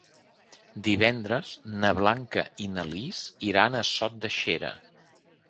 Divendres na Blanca i na Lis iran a Sot de Xera.